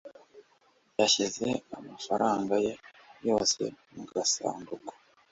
yashyize amafaranga ye yose mu gasanduku